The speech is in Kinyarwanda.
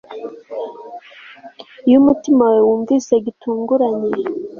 iyo umutima wawe wunvise gitunguranye